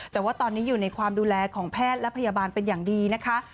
แต่ว่าตอนนี้อยู่ในความดูแลของแพทย์และพยาบาลเป็นอย่างดีนะคะ